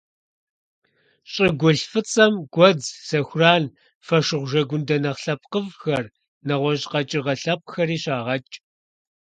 ЩӀыгулъ фӀыцӀэм гуэдз, сэхуран, фошыгъу жэгундэ нэхъ лъэпкъыфӀхэр, нэгъуэщӀ къэкӀыгъэ лъэпкъхэри щагъэкӀ.